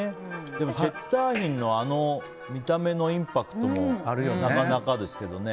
でも、チェッターヒンの見た目のインパクトもなかなかですけどね。